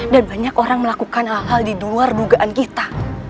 dan banyak orang yang melakukan hal hal di luar dugaan kita